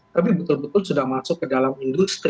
tapi betul betul sudah masuk ke dalam industri